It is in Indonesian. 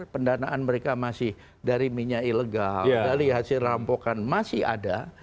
pendanaan mereka masih dari minyak ilegal dari hasil rampokan masih ada